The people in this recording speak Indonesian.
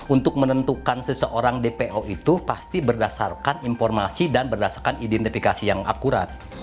untuk menentukan seseorang dpo itu pasti berdasarkan informasi dan berdasarkan identifikasi yang akurat